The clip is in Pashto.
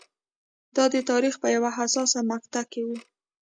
دا د تاریخ په یوه حساسه مقطعه کې و.